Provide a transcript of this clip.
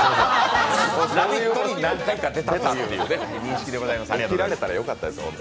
「ラヴィット！」に何回か出たという認識です。